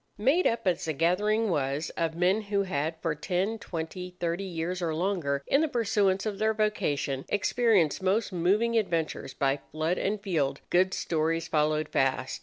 Made up as the gathering was of men who had for ten, twenty, thirty years or longer, in the pursuance of their vocation, experienced most moving adventures by flood and field, good stories followed fast.